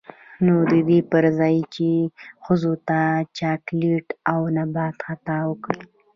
نـو د دې پـر ځـاى چـې ښـځـو تـه د چـاکـليـت او نـبـات خـطاب وکـړي.